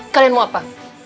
kalian mau apa